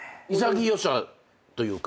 潔さというか？